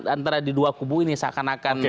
antara di dua kubu ini seakan akan